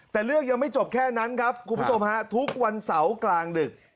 แต่เรื่องยังไม่จบแค่นั้นครับคุณผู้ชมฮะทุกวันเสาร์กลางดึก